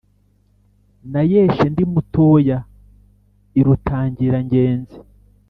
nayeshe ndi mutoya i rutangira-ngenzi.